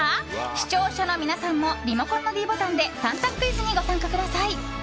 視聴者の皆さんもリモコンのｄボタンで３択クイズにご参加ください。